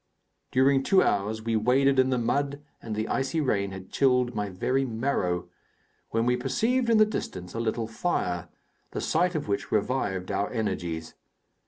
During two hours we waded in the mud and the icy rain had chilled my very marrow, when we perceived in the distance a little fire, the sight of which revived our energies.